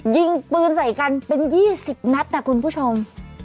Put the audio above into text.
ยิงปืนใส่กันเป็น๒๐นัดนะคุณผู้ชม